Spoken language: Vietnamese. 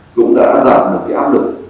cũng đã giảm một áp lực